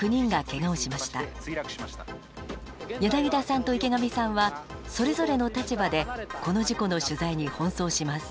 柳田さんと池上さんはそれぞれの立場でこの事故の取材に奔走します。